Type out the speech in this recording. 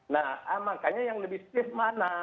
nah makanya yang lebih safe mana